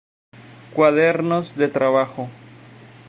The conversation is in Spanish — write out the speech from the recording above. Cuadernos de Trabajo".